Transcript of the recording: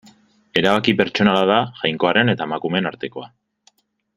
Erabaki pertsonala da, jainkoaren eta emakumeen artekoa.